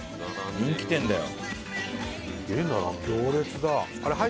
人気店だよ。